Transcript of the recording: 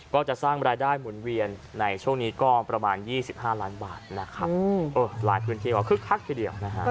ก็จะสร้างรายได้หมุนเวียนในช่วงนี้ก็ประมาณ๒๕ล้านบาทนะครับหลายพื้นที่ก็คึกคักทีเดียวนะฮะ